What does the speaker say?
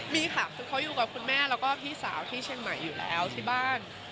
มีค่ะคือเขาอยู่กับคุณแม่แล้วก็พี่สาวที่เชียงใหม่อยู่แล้วที่บ้าน